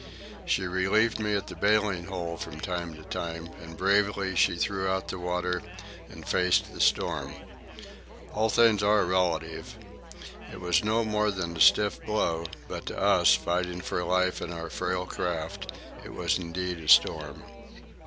She relieved me at the bailing hole from time to time, and bravely she threw out the water and faced the storm. All things are relative. It was no more than a stiff blow, but to us, fighting for life in our frail craft, it was indeed a storm.